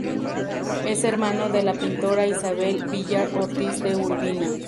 Es hermano de la pintora Isabel Villar Ortiz de Urbina.